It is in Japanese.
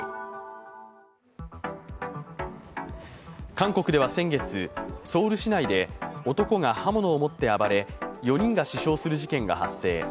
韓国では先月、ソウル市内で男が刃物を持って暴れ４人が死傷する事件が発生。